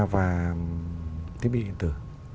và thiết bị điện tử